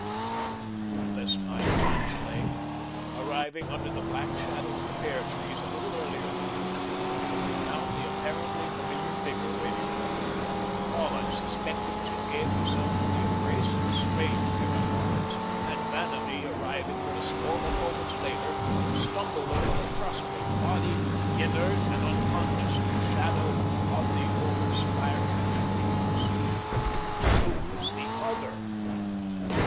One moonless night, Angele, arriving under the black shadow of the pear trees a little earlier than usual, found the apparently familiar figure waiting for her. All unsuspecting she gave herself to the embrace of a strange pair of arms, and Vanamee arriving but a score of moments later, stumbled over her prostrate body, inert and unconscious, in the shadow of the overspiring trees. Who was the Other?